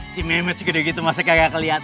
si memet juga udah gitu masa kagak keliat